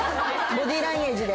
ボディーランゲージで？